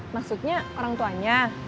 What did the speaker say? maksudnya orang tuanya